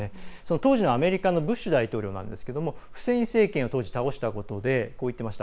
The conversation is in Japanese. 当時のアメリカのブッシュ大統領なんですけれどもフセイン政権を当時倒したことでこう言っていました。